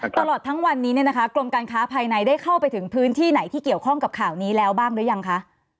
ตลอดทั้งวันนี้เนี่ยนะคะกรมการค้าภายในได้เข้าไปถึงพื้นที่ไหนที่เกี่ยวข้องกับข่าวนี้แล้วบ้างหรือยังคะ